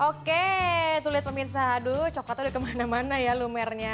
oke itu lihat pemirsa aduh coklatnya udah kemana mana ya lumernya